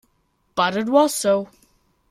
But it was so.